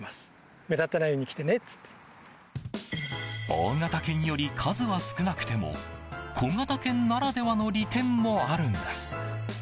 大型犬より数は少なくても小型犬ならではの利点もあるんです。